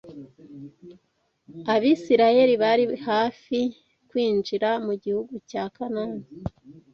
Abisirayeli bari hafi kwinjira mu gihugu cya Kanani